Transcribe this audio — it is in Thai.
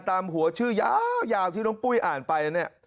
ตามหัวชื่อยาวที่น้องปุ้ยอ่านไปเนี่ย